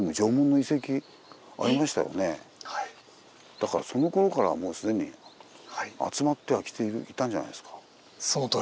だからそのころからもう既に集まってはきていたんじゃないですか？